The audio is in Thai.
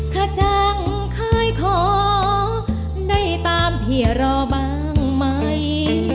ข้าจะขอได้ตามที่ยาร่อบ้างไหม